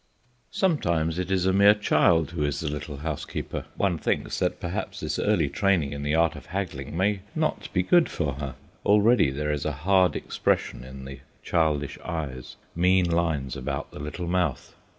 Sometimes it is a mere child who is the little housekeeper. One thinks that perhaps this early training in the art of haggling may not be good for her. Already there is a hard expression in the childish eyes, mean lines about the little mouth.